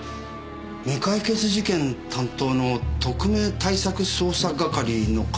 未解決事件担当の特命対策捜査係の方ですか？